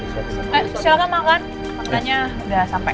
makanannya udah sampai